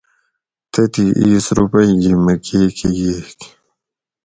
تتھیں اِیس روپئ گی مکے کہ ییگ